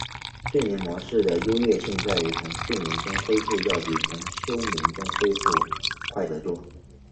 睡眠模式的优越性在于从睡眠中恢复要比从休眠中恢复快得多。